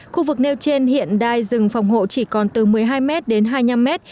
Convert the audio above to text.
khu vực nêu trên hiện đai rừng phòng hộ chỉ còn từ một mươi hai mét đến hai mươi năm mét